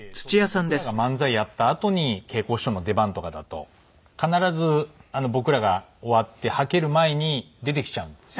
僕らが漫才やったあとに桂子師匠の出番とかだと必ず僕らが終わってはける前に出てきちゃうんですよ。